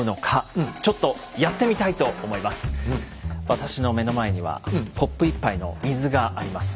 私の目の前にはコップ１杯の水があります。